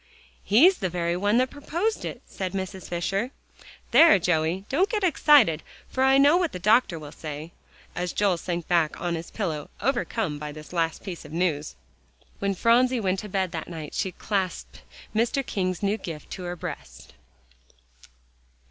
"He's the very one that proposed it," said Mrs. Fisher. "There, Joey, don't get excited, for I don't know what the doctor will say," as Joel sank back on his pillow, overcome by this last piece of news. When Phronsie went to bed that night she clasped Mr. King's new gift to her breast.